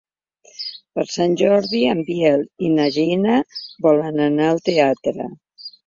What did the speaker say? Per Sant Jordi en Biel i na Gina volen anar al teatre.